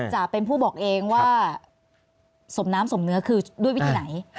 จะเป็นผู้บอกเองว่าสมน้ำสมเนื้อคือด้วยวิธีไหน